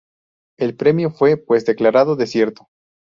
El premio fue, pues, declarado desierto.